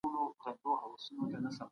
سياستپوهنه يوازي نظري علم نه دی.